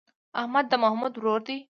احمد د محمود ورور دی.